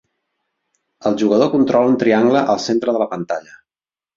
El jugador controla un triangle al centre de la pantalla.